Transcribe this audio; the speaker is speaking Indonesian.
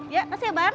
ya kasih bang